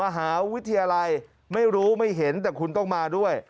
มหาวิทยาลัยไม่รู้ไม่เห็นแต่คุณต้องมาด้วย